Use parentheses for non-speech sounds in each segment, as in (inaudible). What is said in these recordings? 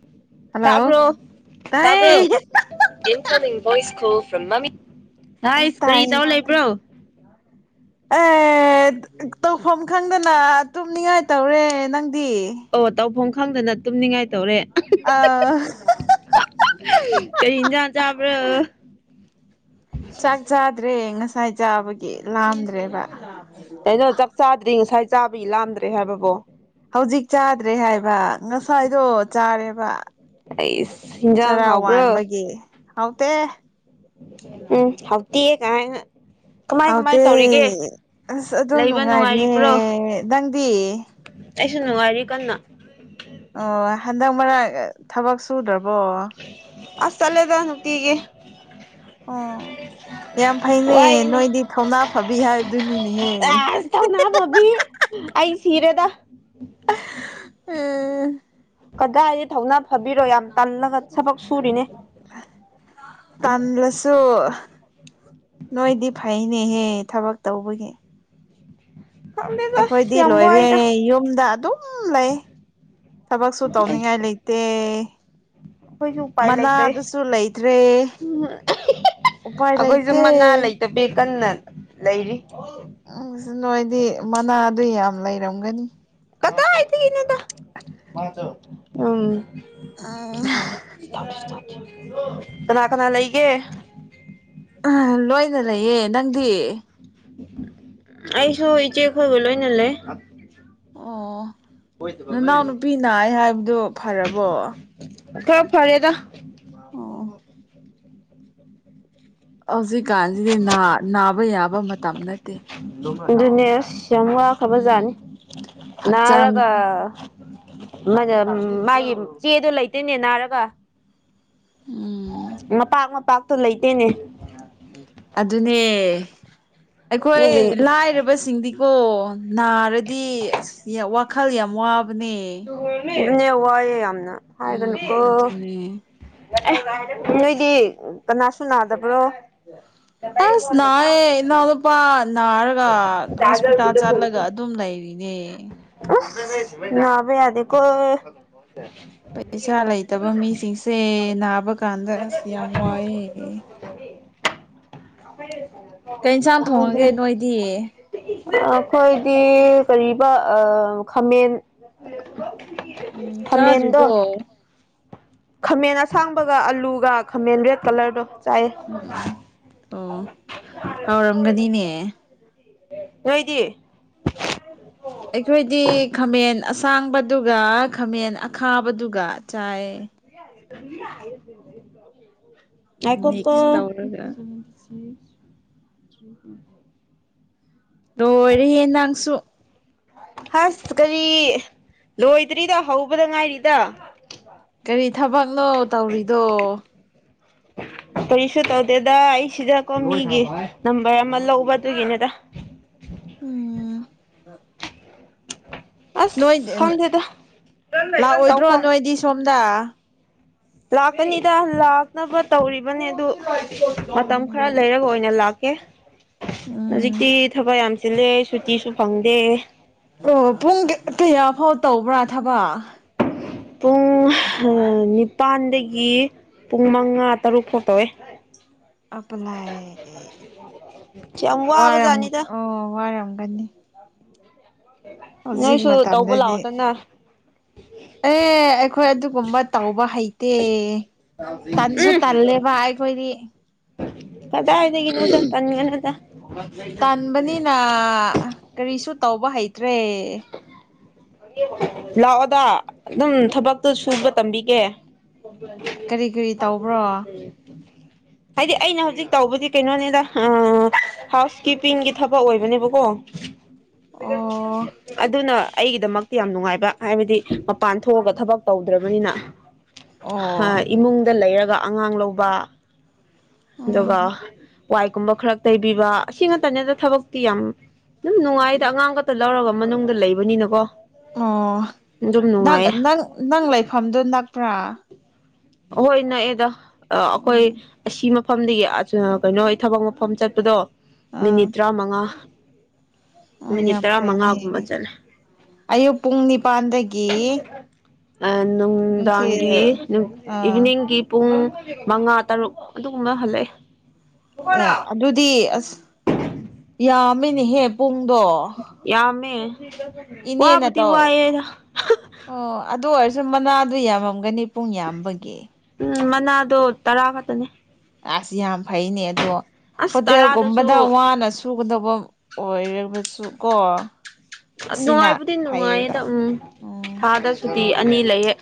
(inaudible) hello ꯇꯥꯕ꯭ꯔꯣ ꯇꯥꯕ꯭ꯔꯣ ꯇꯥꯏ incoming voice call from ꯃꯃꯤ ꯇꯥꯏꯞ ꯑꯁ ꯀꯔꯤ ꯇꯧ ꯇꯥꯏꯌꯦ ꯂꯩꯕ꯭ꯔꯣ (inaudible) ꯑꯦ ꯇꯧꯐꯝ ꯈꯪꯗꯅ ꯇꯨꯝꯅꯤꯡꯉꯥꯏ ꯇꯧꯔꯦ ꯅꯪꯗꯤ ꯑꯣ ꯇꯧꯐꯝ ꯈꯪꯗꯅ ꯅꯠ ꯇꯨꯝꯅꯤꯡꯉꯥꯏ ꯇꯧꯔꯦ ꯑꯥ ꯀꯔꯤ ꯏꯟꯖꯥꯡ ꯆꯥꯕ꯭ꯔꯣ ꯆꯥꯛ ꯆꯥꯗ꯭ꯔꯦ ꯉꯁꯥꯏ ꯆꯥꯕꯒꯤ ꯂꯥꯝꯗ꯭ꯔꯦꯕ ꯀꯩꯅꯣ ꯆꯥꯛ ꯆꯥꯗ꯭ꯔꯤ ꯉꯁꯥꯏ ꯆꯥꯕꯒꯤ ꯂꯥꯝꯗ꯭ꯔꯦ ꯍꯥꯏꯕꯣ ꯍꯧꯖꯤꯛ ꯆꯥꯗ꯭ꯔꯦ ꯍꯥꯏꯕ ꯉꯁꯥꯏꯗꯣ ꯆꯥꯔꯦꯕ ꯑꯩꯁ ꯍꯤꯟꯖꯥꯡ ꯆꯔ ꯍꯥꯎꯕ꯭ꯔꯣ ꯋꯥꯟꯕꯒꯤ ꯍꯥꯎꯇꯦ ꯎꯝ ꯍꯥꯎꯇꯦ ꯀꯥꯏꯅ ꯀꯃꯥꯏ ꯀꯃꯥꯏ ꯍꯥꯎꯇꯦ ꯇꯧꯔꯤꯒꯦ ꯑꯁ ꯑꯗꯨꯝ ꯂꯩꯕ ꯅꯨꯡꯉꯥꯏꯔꯤꯌꯦ ꯅꯨꯡꯉꯥꯏꯔꯤꯕ꯭ꯔꯣ ꯅꯪꯗꯤ ꯑꯩꯁꯨ ꯅꯨꯡꯉꯥꯏꯔꯤ ꯀꯟꯅ ꯑꯣ ꯍꯟꯗꯛ ꯃꯔꯛ ꯊꯕꯛ ꯁꯨꯗ꯭ꯔꯥꯕꯣ ꯑꯁ ꯆꯠꯂꯦꯗ ꯅꯨꯡꯇꯤꯒꯤ ꯑꯣ ꯌꯥꯝ (unintelligible) ꯐꯩꯅꯦ ꯋꯥꯏꯅꯦ ꯅꯣꯏꯗꯤ ꯊꯧꯅꯥ ꯐꯕꯤ ꯍꯥꯏꯕꯗꯨꯅꯤꯅꯦꯍꯦ ꯊꯧꯅꯥ ꯐꯥꯕꯤ ꯑꯩ ꯁꯤꯔꯦꯗ ꯎꯝ ꯀꯗꯥꯏꯗꯩ ꯊꯧꯅꯥ ꯐꯥꯕꯤꯔꯣ ꯌꯥꯝ ꯇꯜꯂꯒ ꯊꯕꯛ ꯁꯨꯔꯤꯅꯦ ꯇꯟꯂꯁꯨ ꯅꯣꯏꯗꯤ ꯐꯩꯅꯦꯍꯦ ꯊꯕꯛ ꯇꯧꯕꯒꯤ ꯈꯪꯗꯦꯗ ꯑꯁ ꯑꯩꯈꯣꯏꯗꯤ ꯌꯥꯝ ꯂꯣꯏꯔꯦ ꯋꯥꯏꯗ ꯌꯨꯝꯗ ꯑꯗꯨꯝ ꯁꯝ ꯂꯩ ꯊꯕꯛꯁꯨ ꯑꯩꯁ ꯇꯧꯅꯤꯡꯉꯥꯏ ꯂꯩꯇꯦ ꯑꯩꯈꯣꯏꯁꯨ ꯎꯄꯥꯏ ꯂꯩꯇꯩ ꯃꯅꯥꯗꯨꯁꯨ ꯂꯩꯇ꯭ꯔꯦ ꯎꯄꯥꯏ ꯑꯩꯈꯣꯏꯖꯨ ꯂꯩꯇꯦ ꯃꯅꯥ ꯂꯩꯇꯕꯤꯒꯤ ꯀꯟꯅ ꯂꯩꯔꯤ ꯎꯝ ꯁꯤ ꯅꯣꯏꯗꯤ ꯃꯅꯥꯗꯣ ꯌꯥꯝ ꯂꯩꯔꯝꯒꯅꯤ ꯀꯗꯥꯏꯗꯒꯤꯅꯣꯗ ꯃꯥꯗꯣ ꯎꯝ ꯎꯝ ꯀꯅꯥ ꯀꯅꯥ ꯂꯩꯒꯦ ꯑꯥ ꯂꯣꯏꯅ ꯂꯩꯌꯦ ꯅꯪꯗꯤ ꯑꯩꯁꯨ ꯏꯆꯦ ꯈꯣꯏꯒ ꯂꯣꯏꯅ ꯂꯩ ꯑꯣ ꯅꯅꯥꯎ ꯅꯨꯄꯤ ꯅꯥꯏ ꯍꯥꯏꯕꯗꯨ ꯐꯔꯕꯣ ꯈꯔ ꯐꯔꯦꯗ ꯑꯣ ꯍꯧꯖꯤꯛꯀꯥꯟꯁꯤꯗꯤ ꯅ ꯅꯥꯕ ꯌꯥꯕ ꯃꯇꯝ ꯅꯠꯇꯦ ꯑꯗꯨꯅꯦ ꯑꯁ ꯌꯥꯝ ꯋꯥꯈ꯭ꯔꯕꯖꯥꯠꯅꯤ ꯎꯝ ꯍꯛꯆꯥꯡ ꯅꯥꯔꯒ ꯃꯥ ꯃꯥꯒꯤ ꯆꯦꯗꯣ ꯂꯩꯇꯦꯅꯦ ꯅꯥꯔꯒ ꯎꯝ ꯃꯄꯥꯛ ꯃꯄꯥꯛꯇꯣ ꯂꯩꯇꯦꯅꯦ ꯑꯗꯨꯅꯦ ꯑꯩꯈꯣꯏ ꯑꯗꯨꯒꯤ ꯂꯥꯏꯔꯕꯁꯤꯡꯗꯤ ꯀꯣ ꯅꯥꯔꯗꯤ ꯑꯁ ꯋꯥꯈꯜ ꯌꯥꯝ ꯋꯥꯕꯅꯦ ꯑꯗꯨꯅꯦ ꯋꯥꯏ ꯌꯥꯝꯅ ꯎꯝ ꯑꯗꯨꯅꯦ ꯑꯦ ꯅꯣꯏꯗꯤ ꯀꯅꯥꯁꯨ ꯅꯥꯗꯕ꯭ꯔꯣ ꯑꯁ ꯅꯥꯌꯦ ꯏꯅꯥꯎꯅꯨꯄꯥ ꯅꯥꯔꯒ ꯍꯣꯁꯄꯤꯇꯥꯜ ꯆꯠꯂꯒ ꯑꯗꯨꯝ ꯂꯩꯔꯤ ꯌꯦ ꯅꯕ ꯌꯥꯗꯦꯀꯣ ꯏꯆꯥ ꯂꯩꯇꯕ ꯃꯤꯁꯤꯡꯁꯦ ꯅꯥꯕ ꯀꯥꯟꯗ ꯑꯁ ꯌꯥꯝ ꯋꯥꯏꯑꯦ (inaudible) ꯀꯩ ꯏꯟꯁꯥꯡ ꯊꯣꯡꯉꯒꯦ ꯅꯣꯏꯗꯤ ꯑꯩꯈꯣꯏꯗꯤ ꯀꯔꯤꯕ ꯈꯥꯃꯦꯟ ꯎꯝ ꯈꯃꯦꯟꯗꫭ ꯆꯥꯗ꯭ꯔꯤꯕꯣ ꯈꯥꯃꯦꯟ ꯑꯁꯥꯡꯕꯒ ꯑꯂꯨꯒ ꯈꯥꯃꯦꯟ ꯔꯦꯠ ꯀꯂꯔꯗꯣ ꯆꯥꯏꯌꯦ ꯎꯝ ꯎꯝ ꯑꯣ ꯍꯥꯎꯔꯝꯒꯅꯤꯅꯦ ꯅꯣꯏꯗꯤ ꯑꯩꯈꯣꯏꯗꯤ ꯈꯥꯃꯦꯟ ꯑꯁꯥꯡꯕꯗꯨꯒ ꯈꯥꯃꯦꯟ ꯑꯈꯥꯕꯗꯨꯒ ꯆꯥꯏ ꯃꯤꯛꯁ ꯉꯥꯏꯈꫭꯀꫭ ꯇꯧꯔꯒ (inaudible) ꯅꯣꯏꯔꯤ ꯌꯦ ꯅꯪꯁꯨ ꯍꯁ ꯀꯔꯤ ꯂꯣꯏꯗ꯭ꯔꯤꯗꯣ ꯍꯧꯕꯗ ꯉꯥꯏꯔꯤꯗ ꯀꯔꯤ ꯊꯕꯛꯅꯣ ꯇꯧꯔꯤꯗꯣ (inaudible) ꯀꯔꯤꯁꯨ ꯇꯧꯗꯦꯗ ꯑꯩꯁꯤꯗꯀꯣ ꯃꯤꯒꯤ ꯅꯝꯕꯔ ꯑꯃ ꯂꯧꯕꯗꯨꯒꯤꯅꯦꯗ ꯎꯝ ꯑꯁ ꯅꯣꯏ ꯈꯪꯗꯦꯗ ꯂꯥꯛꯑꯣꯏꯗ꯭ꯔꯣ ꯇꯧꯐꯝ ꯅꯣꯏꯗꯤ ꯁꯣꯝꯗ ꯂꯥꯛꯀꯅꯤꯗ ꯂꯥꯛꯅꯕ ꯇꯧꯔꯤꯕꯅꯦ ꯑꯗꯨ ꯃꯇꯝ ꯈꯔ ꯎꯝ ꯂꯩꯔꯒ ꯑꯣꯏꯅ ꯂꯥꯛꯀꯦ ꯎꯝ ꯍꯧꯖꯤꯛꯇꯤ ꯊꯕꯛ ꯌꯥꯝ ꯆꯤꯜꯂꯦ ꯁꯨꯇꯤꯁꯨ ꯐꯪꯗꯦ ꯑꯣ ꯄꯨꯡ ꯀꯌꯥ ꯐꯥꯎ ꯇꯧꯕ꯭ꯔꯥ ꯊꯕꯛ ꯄꯨꯡ ꯅꯤꯄꯥꯟꯗꯒꯤ ꯄꯨꯡ ꯃꯉꯥ ꯇꯔꯨꯛ ꯐꯥꯎ ꯇꯧꯋꯦ (inaudible) ꯑꯂꯥꯏ ꯌꯥꯝ ꯋꯥꯔꯝ ꯋꯥꯕꯖꯥꯠꯅꯤꯗ ꯑꯣ ꯋꯥꯔꯝꯒꯅꯤ (inaudible) ꯍꯧꯖꯤꯛ ꯅꯣꯏꯁꯨ ꯇꯧꯕ ꯃꯇꯝꯗꯗꯤ ꯂꯥꯛꯑꯣꯗꯅ ꯑꯦ ꯑꯩꯈꯣꯏ ꯑꯗꯨꯒꯨꯝꯕ ꯇꯧꯕ ꯍꯩꯇꯦ ꯇꯟꯁꯨ ꯇꯜꯂꯦꯕ ꯑꯩꯈꯣꯏꯗꯤ ꯀꯗꯥꯏꯗꯒꯤꯅꫭꯗ ꯇꯟꯒꯅꯨꯗ ꯇꯟꯥꯟꯕꯅꯤꯅ ꯀꯔꯤꯁꯨ ꯇꯧꯕ ꯍꯩꯇ꯭ꯔꯦ ꯂꯥꯛꯑꯣꯗ ꯑꯗꯨꯝ ꯊꯕꯛꯇꯨ ꯁꯨꯕ ꯇꯝꯕꯤꯒꯦ ꯀꯔꯤ ꯀꯔꯤ ꯇꯧꯕ꯭ꯔꯣ ꯑꯣ (unintelligible) (inaudible) ꯍꯥꯏꯗꯤ ꯑꯩꯅ ꯍꯧꯖꯤꯛ ꯇꯧꯕꯗꯤ ꯀꯩꯅꯣꯅꯤꯗ ꯍꯥꯎꯁ ꯀꯤꯞꯄꯤꯡꯒꯤ ꯊꯕꯛ ꯑꯣꯏꯕꯅꯦꯕꯀꯣ ꯑꯗꯨꯅ ꯑꯩꯒꯤꯗꯃꯛ ꯌꯥꯝ ꯅꯨꯡꯉꯥꯏꯕ ꯍꯥꯏꯕꯗꯤ ꯃꯄꯥꯟ ꯊꯣꯛꯑꯒ ꯊꯕꯛ ꯇꯧꯗ꯭ꯔꯕꯅꯤꯅ ꯑꯣ ꯏꯃꯨꯡꯗ ꯂꯩꯔꯒ ꯑꯉꯥꯡ ꯂꯧꯕ ꯎꯝ ꯑꯗꯨꯒ ꯋꯥꯏꯒꯨꯝꯕ ꯈꯔ ꯇꯩꯕꯤꯕ ꯑꯁꯤꯃꯛꯇꯅꯦꯗ ꯊꯕꯛꯇꯤ ꯌꯥꯝ ꯑꯗꯨꯝ ꯅꯨꯡꯉꯥꯏꯗ ꯑꯉꯥꯡ ꯈꯛꯇ ꯂꯧꯔꯒ ꯃꯅꯨꯡꯗ ꯂꯩꯕꯅꯤꯅꯀꯣ ꯑꯣ ꯑꯗꯨꯝ ꯅꯪ ꯅꯨꯡꯉꯥꯏꯌꯦ ꯅꯪ ꯅꯪ ꯂꯩꯐꯝꯗꯨ ꯅꯛꯄ꯭ꯔꯥ ꯍꯣꯏ ꯅꯛꯑꯦꯗ ꯑꯩꯈꯣꯏ ꯎꯝ ꯑꯁꯤꯃ ꯃꯐꯝꯗꯤꯗꯒꯤ ꯀꯩꯅꯣ ꯊꯕꯛ ꯃꯐꯝ ꯆꯠꯄꯗꯣ ꯑꯥ ꯃꯤꯅꯤꯠ ꯇꯔꯥꯃꯉꯥ ꯑꯣ ꯃꯤꯅꯤꯠ ꯌꯥꯝ ꯐꯩꯅꯦ ꯇꯔꯥꯃꯉꯥꯒꯨꯝꯕ ꯆꯠꯂꯦ ꯑꯌꯨꯛ ꯄꯨꯡ ꯅꯤꯄꯥꯟꯗꯒꯤ ꯑ ꯅꯨꯡꯊꯤꯜ ꯅꯨꯡꯗꯥꯡꯒꯤ ꯑꯥ ꯏꯚꯅꯤꯡ ꯒꯤ ꯄꯨꯡ ꯃꯉꯥ ꯇꯔꯨꯛ ꯑꯗꯨꯒꯨꯝꯕ ꯍꯜꯂꯛꯑꯦ ꯑꯦ ꯑꯗꯨꯗꯤ ꯑꯁ ꯌꯥꯝꯃꯤꯅꯤꯍꯦ ꯄꯨꯡꯗꯣ ꯌꯥꯃꯦ ꯏꯅꯦꯅ ꯇꯧ ꯑꯣ ꯑꯗꯨ ꯑꯣꯏꯔꯁꯨ ꯃꯅꯥꯗꯨ ꯌꯥꯝꯃꯝꯒꯅꯤ ꯄꯨꯡ ꯌꯥꯝꯕꯒꯤ ꯎꯝ ꯃꯅꯥꯗꯣ ꯇꯔꯥ ꯈꯛꯇꯅꯦ ꯑꯁ ꯌꯥꯝ ꯐꯩꯅꯦ ꯑꯗꯣ ꯑꯁ ꯍꯣꯇꯦꯜꯒꯨꯝꯕꯗ ꯇꯔꯥꯗꯁꯨ ꯋꯥꯅꯁꯨ ꯁꯨꯒꯗꯧꯕ ꯑꯣꯏꯔꯕꯁꯨ ꯀꯣ ꯑꯁꯤꯅ ꯅꯨꯡꯉꯥꯏꯕꯨꯗꯤ ꯐꯩꯌꯦꯕ ꯅꯨꯡꯉꯥꯏꯌꯦꯗ ꯎꯝ ꯎꯝ ꯊꯥꯗꯁꯨꯨꯗꯤ ꯑꯅꯤ ꯂꯩꯌꯦꯦ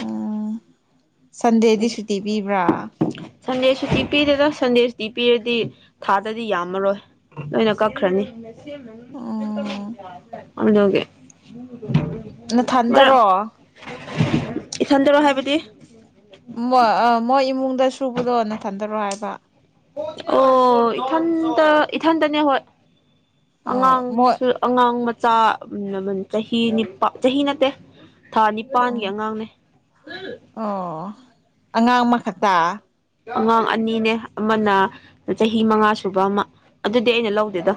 ꯑ ꯁꯟꯗꯦꯗꯤ ꯁꯨꯇꯤ ꯄꯤꯕ꯭ꯔꯥ ꯁꯟꯗꯦꯁꯨ ꯇꯤ ꯄꯤꯗꯦꯗ ꯁꯟꯗꯦꯁꯨ ꯇꯤ ꯄꯤꯔꯗꯤ ꯊꯥꯗꯗꯤ ꯌꯥꯝꯃꯔꯣꯏ ꯅꯣꯏꯅ ꯀꯛꯈ꯭ꯔꯅꯤ ꯎꯝ ꯑꯣꯗꯧꯒꯦ ꯅꯊꯟꯗꯔꯣ ꯏꯁꯟꯗꯔꯣ ꯍꯥꯏꯕꯗꯤ ꯃꯣꯏ ꯃꯣꯏ ꯏꯃꯨꯡꯗ ꯁꯨꯕꯗꯣ ꯅ ꯊꯟꯊꯔꯣ ꯍꯥꯏꯕ ꯑꯣ ꯏꯊꯥꯟꯇ ꯏꯊꯥꯟꯇꯅꯦ ꯍꯣ ꯑꯣ ꯃꯣꯏ ꯑꯉꯥꯡꯁꯨ ꯑꯉꯥꯡ ꯃꯆꯥ ꯆꯍꯤ ꯅꯤꯄꯥ ꯆꯍꯤ ꯅꯠꯇꯦ ꯊꯥ ꯅꯤꯄꯥꯟꯒꯤ ꯎꯝ ꯑꯉꯥꯡꯅꯦ ꯑꯣ ꯑꯉꯥꯡ ꯃꯈꯛꯇ ꯑꯉꯥꯡ ꯑꯅꯤꯅꯦ ꯑꯃꯅ ꯆꯍꯤ ꯃꯉꯥ ꯁꯨꯕ ꯑꯃ ꯑꯗꯨꯗꯤ ꯑꯩꯅ ꯂꯧꯗꯦꯗꯣ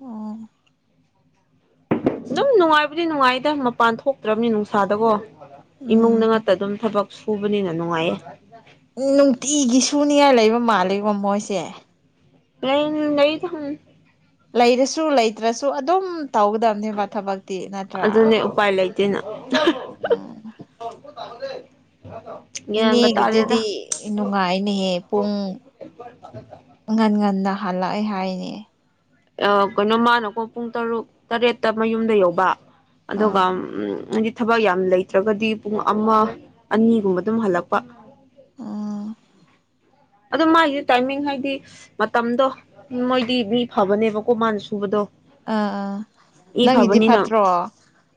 ꯎꯝ ꯑꯗꯨꯝ ꯅꯨꯡꯉꯥꯏꯕꯨꯗꯤ ꯅꯨꯡꯉꯥꯏꯗ ꯃꯄꯥꯟ ꯊꯣꯛꯇ꯭ꯔꯕꯅꯤ ꯅꯨꯡꯁꯥꯗꯀꯣ ꯎꯝ ꯏꯃꯨꯡꯗ ꯉꯇ ꯑꯗꯨꯝ ꯊꯕꯛ ꯁꯨꯕꯅꯤꯅ ꯅꯨꯡꯉꯥꯏꯌꯦ ꯎ ꯅꯨꯡꯇꯤꯒꯤ ꯁꯨꯅꯤꯡꯉꯥꯏ ꯂꯩꯕ ꯃꯥꯜꯂꯤꯀꯣ ꯃꯣꯏꯁꯦ ꯄ ꯂꯩ ꯊ ꯍ ꯂꯩꯔꯁꯨ ꯂꯩꯇ꯭ꯔꯁꯨ ꯑꯗꯨꯝ ꯇꯧꯒꯗꯕꯅꯦꯕ ꯊꯕꯛꯇꯤ ꯅꯠꯇ꯭ꯔꯥ ꯑꯗꯨꯅꯦ ꯎꯄꯥꯏ ꯂꯩꯇꯦꯅ ꯎꯝ ꯇꯍꯗ ꯍꯠꯇꯣ ꯏꯅꯦ ꯍꯒ ꯑꯗꯨꯗꯤ ꯅꯨꯡꯉꯥꯏꯅꯦꯍꯦ ꯄꯨꯡ ꯉꯟ ꯉꯟꯗ ꯍꯜꯂꯛꯑꯦ ꯍꯥꯏꯅꯦ ꯀꯩꯅꯣ ꯃꯥꯅꯀꯣ ꯄꯨꯡ ꯇꯔꯨꯛ ꯇꯔꯦꯠꯇ ꯃꯌꯨꯝꯗ ꯌꯧꯕ ꯑꯥ ꯑꯗꯨꯒ ꯍꯥꯏꯗꯤ ꯊꯕꯛ ꯌꯥꯝ ꯂꯩꯇ꯭ꯔꯒꯗꯤ ꯄꯨꯡ ꯑꯃ ꯑꯅꯤꯒꯨꯝꯕ ꯑꯗꯨꯝ ꯍꯜꯂꯛꯄ ꯑꯥ ꯑꯗꯣ ꯃꯥꯒꯤꯁꯦ ꯇꯥꯏꯃꯤꯡ ꯍꯥꯏꯗꯤ ꯃꯇꯝꯗꯣ ꯃꯣꯏꯗꯤ ꯃꯤ ꯐꯕꯅꯦꯕꯀꯣ ꯃꯥꯅ ꯁꯨꯕꯗꯣ ꯑꯥ ꯑꯥ ꯏ ꯅꯪꯒꯤꯗꯤ ꯐꯕꯅꯤ ꯅ ꯐꯠꯇ꯭ꯔꯣ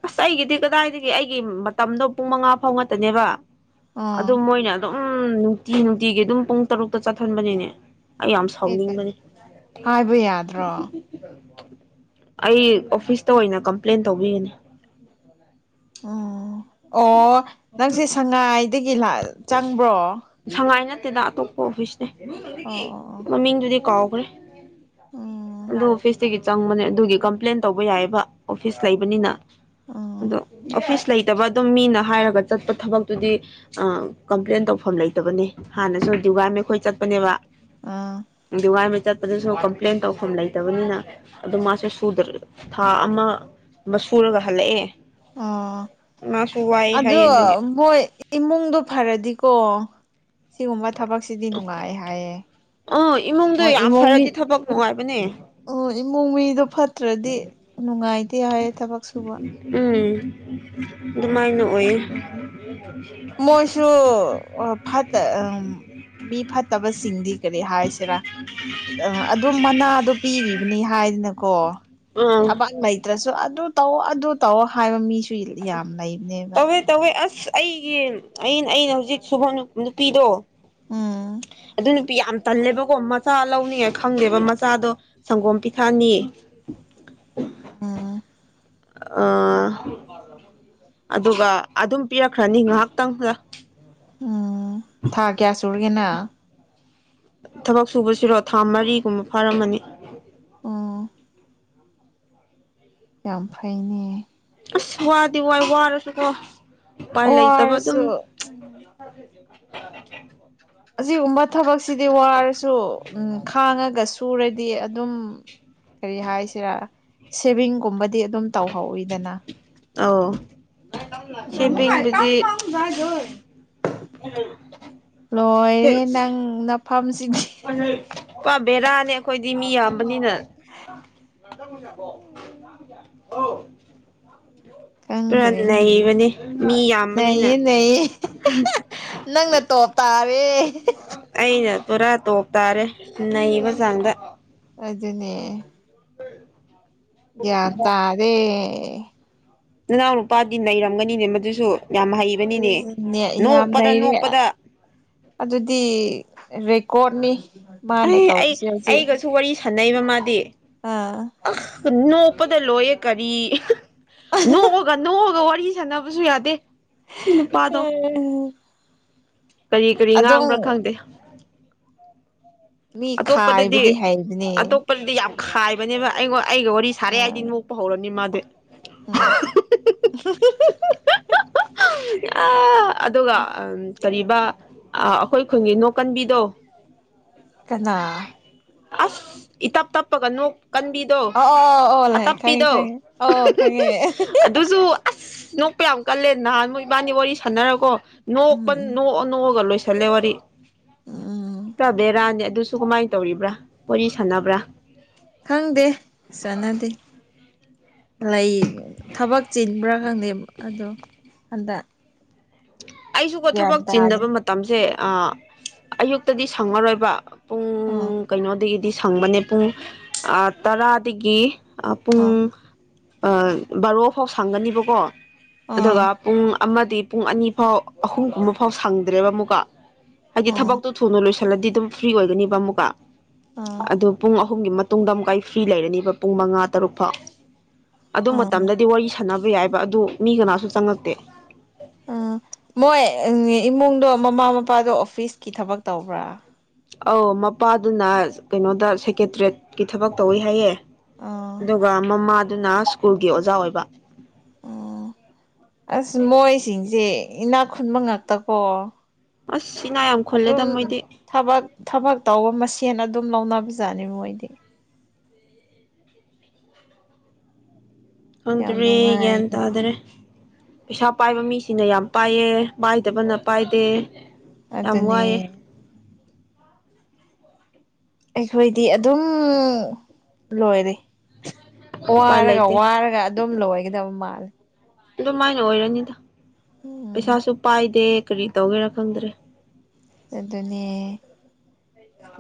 ꯑꯁ ꯑꯩꯒꯤꯗꯤ ꯀꯗꯥꯏꯗꯒꯤ ꯑꯩꯒꯤ ꯃꯇꯝꯗꯣ ꯄꯨꯡ ꯃꯉꯥ ꯐꯥꯎ ꯉꯛꯇꯅꯦꯕ ꯑꯥ ꯑꯗꯨ ꯃꯣꯏꯅ ꯑꯗꯨꯝ ꯅꯨꯡꯇꯤ ꯅꯨꯡꯇꯤꯒꯤ ꯑꯗꯨꯝ ꯄꯨꯡ ꯇꯔꯨꯛꯇ ꯆꯠꯊꯟꯕꯅꯤꯅꯦ ꯑꯩ ꯌꯥꯝ ꯁꯥꯎꯅꯤꯡꯕꯅꯤ ꯍꯥꯏꯕ ꯌꯥꯗ꯭ꯔꯣ ꯑꯩ ꯑꯣꯐꯤꯁꯇ ꯑꯣꯏꯅ ꯀꯝꯄ꯭ꯂꯦꯟ ꯇꯧꯕꯤꯒꯅꯤ ꯎꯝ ꯑꯣ ꯅꯪꯁꯦ ꯁꯉꯥꯏꯗꯒꯤ ꯆꯪꯕ꯭ꯔꯣ ꯁꯉꯥꯏ ꯅꯠꯇꯦꯗ ꯑꯇꯣꯞꯄ ꯑꯣꯐꯤꯁꯅꯦ ꯑꯣ ꯑꯣ ꯑꯣ ꯃꯃꯤꯡꯗꯨꯗꯤ ꯀꯥꯎꯈ꯭ꯔꯦ ꯎꯝ ꯑꯗꯨ ꯑꯣꯐꯤꯁꯇꯒꯤ ꯆꯪꯕꯅꯦ ꯑꯗꯨꯒꯤ ꯀꯝꯄ꯭ꯂꯦꯟ ꯇꯧꯕ ꯌꯥꯏꯑꯕ ꯑꯣꯐꯤꯁ ꯂꯩꯕꯅꯤꯅ ꯎꯝ ꯑꯗꯣ ꯑꯣꯐꯤꯁ ꯂꯩꯇꯕ ꯑꯗꯨꯝ ꯃꯤꯅ ꯍꯥꯏꯔꯒ ꯆꯠꯄ ꯊꯕꯛꯇꯨꯗꯤ ꯑ ꯀꯝꯄ꯭ꯂꯦꯟ ꯇꯧꯐꯝ ꯂꯩꯇꯕꯅꯦ ꯍꯥꯟꯅꯁꯨ ꯗꯤꯋꯥꯥꯏ ꯃꯈꯩꯈꯣꯏ ꯆꯠꯄꯅꯦꯕ ꯑꯥ ꯗꯤꯋꯥ ꯆꯠꯄꯗꯁꯨ ꯀꯝꯄ꯭ꯂꯦꯟ ꯇꯧꯐꯝ ꯂꯩꯇꯕꯅꯤꯅ ꯑꯗꯨ ꯃꯥꯁꯨ ꯁꯨꯗꯦ ꯊꯥ ꯑꯃ ꯑꯃ ꯁꯨꯔꯒ ꯍꯜꯂꯛꯑꯦ ꯑꯣ ꯃꯥꯁꯨ ꯋꯥꯏ ꯍꯥꯏꯌꯦ ꯑꯗꯨꯒꯤ ꯑꯗꯨꯗꯣꯏꯣꯏ ꯏꯃꯨꯡꯗ ꯐꯔꯗꯤꯀꯣ ꯁꯤꯒꯨꯝꯕ ꯊꯕꯛꯁꯤꯗꯤ ꯅꯨꯡꯉꯥꯏ ꯍꯥꯏꯌꯦ ꯑꯣ ꯏꯃꯨꯡꯗꯣ ꯍꯣꯏ ꯌꯥꯝ ꯏꯃꯨꯡ ꯃꯤ ꯐꯔꯗꯤ ꯊꯕꯛ ꯅꯨꯡꯉꯥꯏꯕꯅꯦ ꯑꯣ ꯏꯃꯨꯡ ꯃꯤꯗꯣ ꯐꯠꯇ꯭ꯔꯗꯤ ꯅꯨꯡꯉꯥꯏꯇꯦ ꯍꯥꯏꯌꯦ ꯊꯕꯛ ꯁꯨꯕ ꯎꯝ ꯑꯗꯨꯃꯥꯏ ꯅꯣꯛꯦ ꯃꯣꯏꯁꯨ ꯐꯠꯇ (unintelligible) ꯃꯤ ꯐꯠꯇꯕꯁꯤꯡꯗꯤ ꯀꯔꯤ ꯍꯥꯏꯁꯤꯔꯥ ꯑ ꯑꯗꯨꯝ ꯃꯅꯥꯗꯣ ꯄꯤꯔꯤꯕꯅꯤ ꯍꯥꯏꯗꯅꯀꯣ ꯑꯥ ꯊꯕꯛ ꯂꯩ ꯅꯠꯇ꯭ꯔꯁꯨ ꯑꯗꯨ ꯇꯧꯑꯣ ꯑꯗꯨ ꯇꯧꯑꯣ ꯍꯥꯏꯕ ꯃꯤꯁꯨ ꯌꯥꯝ ꯂꯩꯕꯅꯦꯕ ꯇꯋꯦ ꯇꯋꯦ ꯑꯁ ꯑꯩꯒꯤ ꯑ ꯑꯩꯅ ꯍꯧꯖꯤꯛ ꯁꯨꯕ ꯅꯨꯄꯤꯗꯣ ꯎꯝ ꯑꯩ ꯅꯨꯄꯤ ꯌꯥꯝ ꯇꯜꯂꯦꯕꯀꯣ ꯃꯆꯥ ꯂꯧꯅꯤꯉꯥꯏ ꯈꯪꯗꯦꯕ ꯃꯆꯥꯗꯣ ꯁꯪꯒꯣꯝ ꯄꯤꯊꯛꯅꯤꯌꯦ ꯎꯝ ꯑ ꯑꯗꯨꯒ ꯑꯗꯨꯝ ꯄꯤꯔꯛꯈ꯭ꯔꯅꯤ ꯉꯥꯏꯍꯥꯛꯇꯪꯗ ꯎꯝ ꯊꯥ ꯀꯌꯥ ꯁꯨꯔꯒꯦꯅ ꯊꯕꯛ ꯁꯨꯕꯁꯤꯔꯣ ꯊꯥ ꯃꯔꯤꯒꯨꯝꯕ ꯐꯥꯔꯝꯃꯅꯤ ꯑꯣ ꯌꯥꯝꯐꯩꯅꯦ ꯑꯁ ꯋꯥꯗꯤ ꯋꯥꯏ ꯋꯥꯔꯁꯨꯀꯣ ꯎꯄꯥꯏ ꯂꯩꯇꯕ ꯑꯗꯨꯝ ꯋꯥꯔꯁꯨ ꯎꯝ ꯊꯦ ꯑꯁꯤꯒꯨꯝꯕ ꯊꯕꯛꯁꯤꯗꯤ ꯋꯥꯔꯁꯨ ꯎꯝ ꯈꯥꯡꯉꯒ ꯁꯨꯔꯗꯤ ꯑꯗꯨꯝ ꯀꯔꯤ ꯍꯥꯏꯁꯤꯔꯥ ꯁꯦꯚꯤꯡꯒꯨꯝꯕꯗꯤ ꯑꯗꯨꯝ ꯇꯧꯍꯧꯋꯤꯗꯅ ꯑ ꯁꯤꯝꯕꯤꯤꯡ ꯑꯗꯨꯅꯦ ꯑꯗꯨꯗꯤ ꯗꯣꯏ ꯂꯣꯏꯔꯦ ꯅꯪ ꯅꯐꯝꯁꯤꯗꯤ ꯄꯥꯝꯝꯕꯔꯥꯅꯦ ꯑꯩꯈꯣꯏꯗꯤ ꯃꯤ ꯌꯥꯝ ꯑꯃꯅꯤꯅꯤꯅ ꯄꯨꯔꯥ ꯀꯗ ꯅꯩꯕꯅꯤ ꯃꯤ ꯌꯥꯝꯕꯅꯤꯅ ꯅꯌꯦ ꯅꯌꯦ ꯅꯪꯅ ꯇꯣꯞ ꯇꯥꯔꯦ ꯑꯩꯅ ꯄꯨꯔꯥ ꯇꯣꯞ ꯇꯥꯔꯦ ꯅꯩꯕ ꯆꯥꯡꯗ ꯑꯗꯨ ꯑꯗꯨꯅꯦ ꯎꯝ ꯗ ꯑꯗꯦ ꯅꯅꯥꯎꯅ ꯅꯨꯄꯥꯗꯤ ꯅꯩꯔꯝꯒꯅꯤꯅꯦ ꯃꯗꯨꯁꯨ ꯌꯥꯝ ꯍꯩꯕꯅꯤꯅꯦ ꯑꯗꯨꯅꯦ ꯌꯥꯝ ꯅꯣꯛꯄꯗ ꯅꯩꯔꯦ ꯅꯣꯛꯄꯗ ꯑꯗꯨꯗꯤ ꯔꯦꯀꯣꯔꯠꯅꯤ ꯃꯥꯅ ꯑꯩ ꯑꯩ ꯇꯧꯔꯤꯁꯦ ꯍꯧꯖꯤꯛ ꯑꯩꯒꯁꯨ ꯁꯥꯟꯅꯩꯕ ꯃꯥꯗꯤ ꯑꯥ ꯑ ꯅꯣꯛꯄꯗ ꯂꯣꯏꯌꯦꯦ ꯀꯔꯤ ꯅꯣꯛꯑꯒ ꯅꯣꯛꯑꯒ ꯋꯥꯔꯤ ꯁꯥꯟꯅꯕꯁꯨ ꯌꯥꯗꯦ ꯁꯤ ꯅꯨꯄꯥꯗꯣ ꯀꯔꯤ ꯀꯔꯤ ꯑꯗꯨꯝ ꯉꯥꯡꯕ꯭ꯔꯥ ꯈꯪꯗꯦ ꯃꯤ ꯑꯇꯣꯞꯄꯗꯗꯤ ꯈꯥꯏꯕꯗꯤ ꯍꯩꯕꯅꯦ ꯄꯜꯗꯤ ꯌꯥꯝ ꯈꯥꯏꯕꯅꯦꯕ ꯑꯩꯉ ꯑꯩꯒ ꯋꯥꯔꯤ ꯁꯥꯔꯦ ꯍꯥꯏꯗꯤ ꯅꯣꯛꯄ ꯍꯧꯔꯅꯤ ꯃꯥꯗꯤ ꯍꯨ ꯍꯨ ꯍꯨꯝ (inaudible) ꯑ ꯑꯗꯨꯒ ꯀꯔꯤꯕ ꯑꯩꯈꯣꯏ ꯈꯨꯟꯒꯤ ꯅꯣꯛꯀꯟꯕꯤꯗꯣ ꯀꯅꯥ ꯑꯁ ꯏꯇꯞ ꯇꯞꯄꯒꯅꯣꯛ ꯀꯟꯕꯤ ꯑꯣ ꯑꯣ ꯑꯣ ꯂꯩ ꯈꯪꯉꯦ ꯑꯇꯞꯄꯤꯗꯣ ꯈꯪꯉꯦ ꯑꯣ ꯈꯪꯉꯦ ꯑꯗꯨꯁꯨ ꯑꯁ ꯅꯣꯛꯄ ꯌꯥꯝ ꯀꯜꯂꯦ ꯅꯍꯥꯟ ꯃꯣꯏ ꯏꯕꯥꯅꯤ ꯋꯥꯔꯤ ꯁꯥꯟꯅꯔꯀꯣ ꯅꯣꯛꯄ ꯎꯝ ꯅꯣꯛꯑ ꯅꯣꯛꯑꯒ ꯂꯣꯏꯁꯜꯂꯦ ꯋꯥꯔꯤ ꯎꯝ ꯇ꯭ꯔꯕꯦꯔꯥꯅꯤ ꯑꯗꯨꯁꯨ ꯀꯃꯥꯏꯅ ꯇꯧꯔꯤꯕ꯭ꯔꯥ ꯋꯥꯔꯤꯣ ꯁꯥꯟꯅꯕ꯭ꯔꯥ ꯈꯪꯗꯦ ꯆꯥꯟꯅꯗꯦ ꯂꯩ ꯊꯕꯛ ꯆꯤꯟꯕ꯭ꯔꯥ ꯈꯪꯗꯦ ꯑꯗꯣ ꯍꯟꯗꯛ ꯑꯩꯁꯨꯀꯣ ꯒ꯭ꯌꯥꯟ ꯊꯕꯛ ꯇꯥꯗꯦ ꯆꯤꯟꯗꯕ ꯃꯇꯝꯁꯦ ꯑꯌꯨꯛꯇꯗꯤ ꯁꯪꯉꯔꯣꯏꯕ ꯑꯣ ꯄꯨꯡ ꯀꯩꯅꯣꯗꯒꯤꯗꯤ ꯁꯪꯕꯅꯦ ꯄꯨꯡ ꯇꯔꯥꯗꯒꯤ ꯑꯣ ꯄꯨꯡ ꯕꯥꯔꯣ ꯐꯥꯎ ꯁꯪꯒꯅꯤꯕꯀꯣ ꯑꯣ ꯑꯗꯨꯒ ꯄꯨꯡ ꯑꯃꯗꯤ ꯄꯨꯡ ꯑꯅꯤ ꯐꯥꯎ ꯑꯍꯨꯝꯒꯨꯝꯕ ꯐꯥꯎ ꯁꯪꯗ꯭ꯔꯦꯕ ꯑꯃꯨꯛꯀ ꯍꯥꯏꯗꯤ ꯑꯣ ꯊꯕꯛꯇꯨ ꯊꯨꯅ ꯂꯣꯏꯁꯤꯜꯂꯗꯤ ꯑꯗꯨꯝ ꯐ꯭ꯔꯤ ꯑꯣꯏꯒꯅꯤꯕ ꯑꯃꯨꯛꯀ ꯑꯣ ꯑꯗꯨ ꯄꯨꯡ ꯑꯍꯨꯝꯒꯤ ꯃꯇꯨꯡꯗ ꯑꯃꯨꯛꯀꯥ ꯑꯩ ꯐ꯭ꯔꯤ ꯂꯩꯔꯅꯤꯕ ꯄꯨꯡ ꯃꯉꯥ ꯇꯔꯨꯛ ꯐꯥꯎ ꯑꯗꯨ ꯑꯣ ꯃꯇꯝꯗꯗꯤ ꯋꯥꯔꯤ ꯁꯥꯟꯅꯕ ꯌꯥꯏꯕ ꯑꯗꯨ ꯃꯤ ꯀꯅꯥꯁꯨ ꯆꯪꯉꯛꯇꯦ ꯎꯝ ꯃꯣꯏ ꯏꯃꯨꯡꯗꯣ ꯃꯃꯥ ꯃꯄꯥꯗꯣ ꯑꯣꯐꯤꯁꯀꯤ ꯊꯕꯛ ꯇꯧꯕ꯭ꯔꯥ ꯑꯧ ꯃꯄꯥꯗꯨꯅ ꯀꯩꯅꯣꯗ ꯁꯦꯀꯦꯇꯔꯤꯠꯌ‌ꯦꯠꯀꯤ ꯊꯕꯛ ꯇꯧꯋꯤ ꯍꯥꯏꯌꯦ ꯑꯣ ꯑꯗꯨꯒ ꯃꯃꯥꯗꯨꯅ ꯁ꯭ꯀꯨꯜꯒꯤ ꯑꯣꯖꯥ ꯑꯣꯏꯕ ꯑꯣ ꯑꯁ ꯃꯣꯏꯁꯤꯡꯁꯦ ꯏꯅꯥꯛ ꯈꯨꯟꯕ ꯉꯥꯛꯛꯇꯀꯣ ꯑꯁ ꯏꯅꯥ ꯌꯥꯝ ꯈꯨꯜꯂꯦꯗ ꯃꯣꯏꯗꯤ ꯊꯕꯛ ꯊꯕꯛ ꯇꯧꯕ ꯃꯁꯦꯟ ꯑꯗꯨꯝ ꯂꯧꯅꯕꯖꯥꯠꯅꯤ ꯃꯣꯏꯗꯤ ꯌꯥꯝ ꯈꯪꯗ꯭ꯔꯦ ꯒ꯭ꯌꯥꯟ ꯅꯨꯡꯉꯥꯏꯅ ꯇꯥꯗꯔꯦ ꯄꯩꯁꯥ ꯄꯥꯏꯕ ꯃꯤꯁꯤꯅ ꯌꯥꯝ ꯄꯥꯏꯑ‌ꯦ ꯄꯥꯏꯗꯕꯅ ꯄꯥꯏꯗꯦ ꯌꯥꯝ ꯑꯗꯨꯅꯦ ꯋꯥꯏꯑꯦ ꯑꯩꯈꯣꯏꯗꯤ ꯑꯗꯨꯝ ꯂꯣꯏꯔꯦ ꯎꯄꯥꯏ ꯋꯥꯔꯒ ꯂꯩꯇꯦ ꯋꯥꯔꯒ ꯑꯗꯨꯝ ꯂꯣꯏꯒꯗꯕ ꯃꯥꯜꯂꯦ ꯑꯗꯨꯃꯥꯏꯅ ꯑꯣꯏꯔꯅꯤꯗ ꯎꯝ ꯄꯩꯁꯥꯁꯨ ꯄꯥꯏꯗꯦ ꯀꯔꯤ ꯇꯧꯒꯦꯔꯥ ꯈꯪꯗ꯭ꯔꯦ ꯑꯗꯨꯅꯦ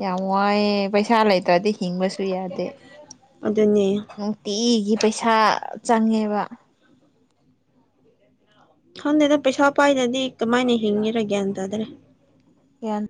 ꯌꯥꯝ ꯋꯥꯏꯑꯦ ꯄꯩꯁꯥ ꯂꯩꯇ꯭ꯔꯗꯤ ꯍꯤꯡꯕꯁꯨ ꯁꯨ ꯌꯥꯗꯦ ꯑꯗꯨꯅꯦ ꯅꯨꯡꯇꯤꯒꯤ ꯄꯩꯁꯥ ꯆꯪꯉꯦꯕ ꯈꯪꯗꯦꯗ ꯄꯩꯁꯥ ꯄꯥꯏꯗꯗꯤ ꯀꯃꯥꯏꯅ ꯍꯤꯡꯉꯔꯥ ꯒꯌꯥꯟ ꯇꯥꯗ꯭ꯔꯦ ꯒꯤꯌꯟ